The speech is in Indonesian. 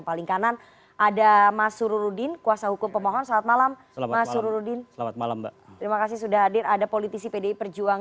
selamat tahun baru